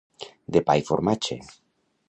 De pa i formatge.